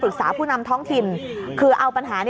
ก็ไม่มีอำนาจ